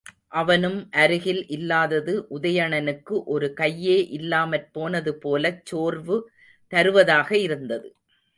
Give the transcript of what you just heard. அவனும் அருகில் இல்லாதது உதயணனுக்கு ஒரு கையே இல்லாமற் போனதுபோலச் சோர்வு தருவதாக இருந்தது.